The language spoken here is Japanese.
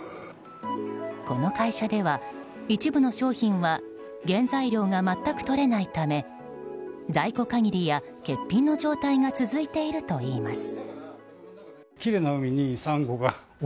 この会社では、一部の商品は原材料が全くとれないため在庫限りや欠品の状態が続いているといいます。